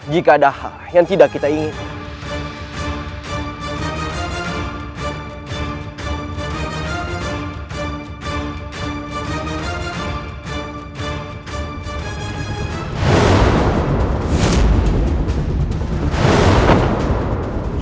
jika ada hal yang tidak kita ingin